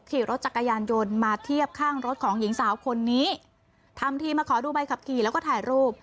ขี่รถจักรยานยนต์มาเทียบข้างรถของหญิงสาวคนนี้ทำทีมาขอดูใบขับขี่แล้วก็ถ่ายรูป